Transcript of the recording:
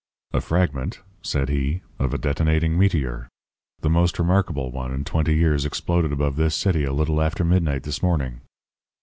"'A fragment,' said he, 'of a detonating meteor. The most remarkable one in twenty years exploded above this city a little after midnight this morning.'